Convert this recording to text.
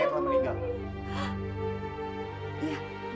aku tak mau lagi